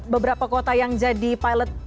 beberapa kota yang jadi pilot